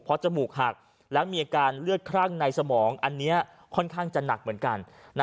เพราะจมูกหักแล้วมีอาการเลือดคลั่งในสมองอันนี้ค่อนข้างจะหนักเหมือนกัน